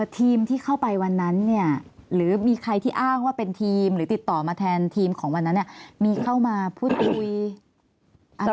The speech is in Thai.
ทีมที่เข้าไปวันนั้นเนี่ยหรือมีใครที่อ้างว่าเป็นทีมหรือติดต่อมาแทนทีมของวันนั้นเนี่ยมีเข้ามาพูดคุยอะไร